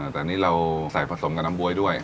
แต่อันนี้เราใส่ผสมกับน้ำบ๊วยด้วย